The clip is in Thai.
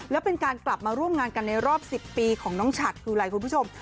แล้วเป็นการกลับมาร่วมงานกันในรอบ๑๐ปีของน้องฉัดคืออะไรคุณผู้ชม